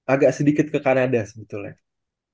agak sedikit ke kanada sebetulnya